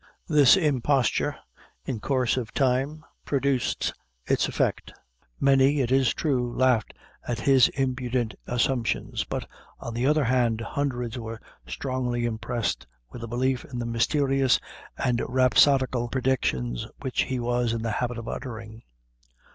This imposture, in course of time, produced its effect, Many, it is true, laughed at his impudent assumptions, but on the other hand, hundreds were strongly impressed with a belief in the mysterious and rhapsodical predictions which he was in the habit of uttering.